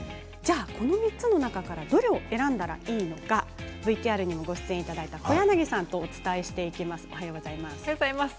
この３つの中からどれを選んだらいいのかＶＴＲにも、ご出演いただいた小柳さんとお伝えしていきます。